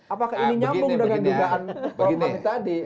apakah ini nyambung dengan dugaan tadi